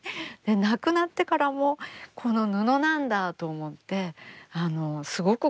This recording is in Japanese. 亡くなってからもこの布なんだと思ってすごく感動しました。